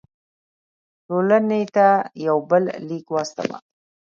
ټولنې ته یو بل لیک واستاوه.